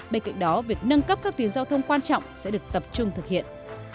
bên cạnh đó việc nâng cấp các tuyến giao thông quan trọng sẽ được tập trung thực hiện